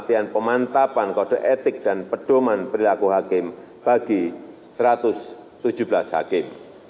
pengertian pemantapan kode etik dan pedoman perilaku hakim bagi satu ratus tujuh belas hakim